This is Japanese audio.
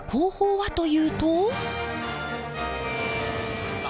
はい。